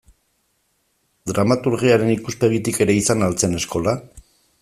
Dramaturgiaren ikuspegitik ere izan al zen eskola?